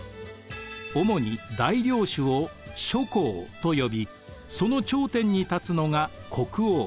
主に大領主を諸侯と呼びその頂点に立つのが国王。